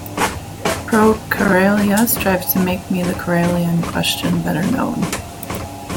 ProKarelia strives to make the Karelian question better known.